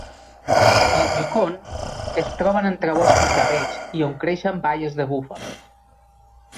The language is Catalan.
Al Yukon, es troben entre boscos d'avets i on creixen baies de búfal.